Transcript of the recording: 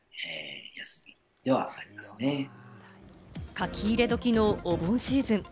書き入れ時のお盆シーズン。